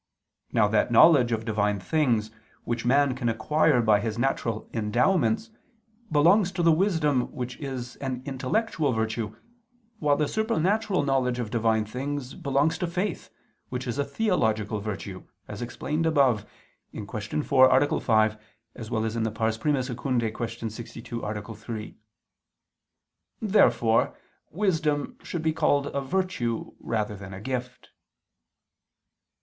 Now that knowledge of Divine things which man can acquire by his natural endowments, belongs to the wisdom which is an intellectual virtue, while the supernatural knowledge of Divine things belongs to faith which is a theological virtue, as explained above (Q. 4, A. 5; I II, Q. 62, A. 3). Therefore wisdom should be called a virtue rather than a gift.